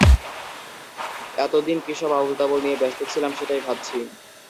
এতদিন কিসব আবোল তাবোল নিয়ে ব্যস্ত ছিলাম সেটাই ভাবছি।